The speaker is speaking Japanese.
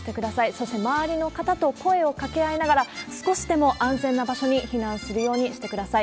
そして周りの方と声をかけ合いながら、少しでも安全な場所に避難するようにしてください。